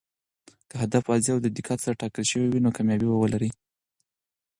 که هدف واضح او دقت سره ټاکل شوی وي، نو کامیابي به ولري.